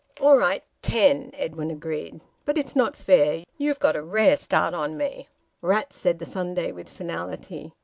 "All right. Ten," Edwin agreed. "But it's not fair. You've got a rare start on me." "Rats!" said the Sunday, with finality.